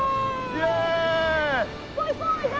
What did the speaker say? イエイ！